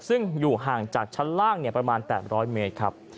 ซึ่งอยู่ห่างจากชั้นล่างประมาณ๘๐๐เมตรครับ